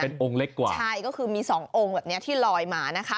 เป็นองค์เล็กกว่าใช่ก็คือมีสององค์แบบเนี้ยที่ลอยมานะคะ